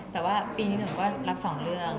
แต่ว่าปีนี้หนูก็รับ๒เรื่อง